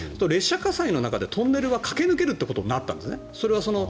列車火災の中でトンネルは駆け抜けるってことになったんですね。